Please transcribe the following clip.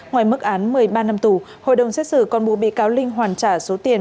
ngoài mức án một mươi ba năm tù hội đồng xét xử còn buộc bị cáo linh hoàn trả số tiền